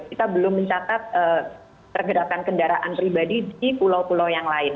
kita belum mencatat pergerakan kendaraan pribadi di pulau